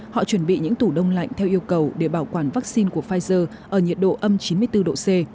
họ chuẩn bị những tủ đông lạnh theo yêu cầu để bảo quản vaccine của pfizer ở nhiệt độ âm chín mươi bốn độ c